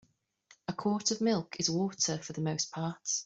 A quart of milk is water for the most part.